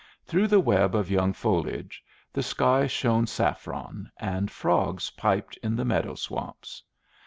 Through the web of young foliage the sky shone saffron, and frogs piped in the meadow swamps.